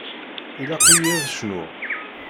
Ilaq-iyi ad cnuɣ.